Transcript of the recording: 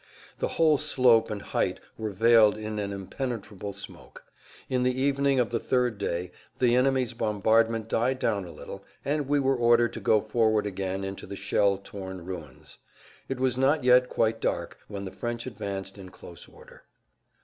The whole slope and height were veiled in an impenetrable smoke. In the evening of the third day the enemy's bombardment died down a little, and we were ordered to go forward again into the shell torn ruins. It was not yet quite dark when the French advanced in close order.